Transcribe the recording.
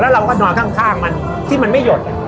แล้วเราก็นอนข้างมันที่มันไม่หยดเกือบเท่านั้น